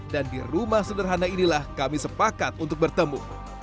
dan di rumah sederhana inilah kami sepakat untuk bertemu